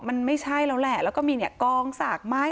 มันไม่ใช่แล้วแหละแล้วก็มีเนี่ยกองสากไม้